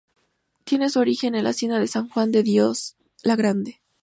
Tiene su origen en la Hacienda de San Juan de Dios "La Grande".